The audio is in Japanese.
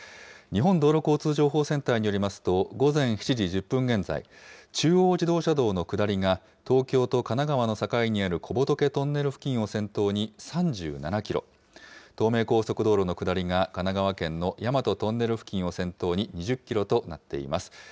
日本道路交通情報センターによりますと、午前７時１０分現在、中央自動車道の下りが東京と神奈川の境にある、小仏トンネル付近を先頭に３７キロ、東名高速道路の下りが神奈川県の大和トンネル付近を先頭に２０キロとなっています。